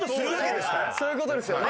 そういう事ですよね。